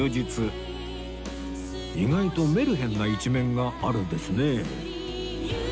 意外とメルヘンな一面があるんですね